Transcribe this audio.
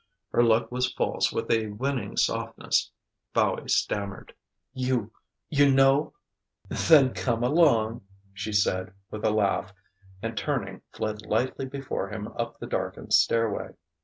Her look was false with a winning softness. Fowey stammered. "You you know " "Then come along!" she said, with a laugh; and turning fled lightly before him up the darkened stairway.